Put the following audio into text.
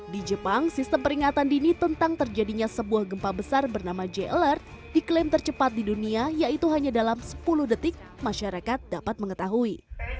di jepang sistem peringatan dini tentang terjadinya sebuah gempa besar bernama j alert diklaim tercepat di dunia yaitu hanya dalam sepuluh detik masyarakat dapat mengetahui